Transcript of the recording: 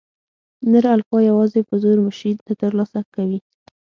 نر الفا یواځې په زور مشري نه تر لاسه کوي.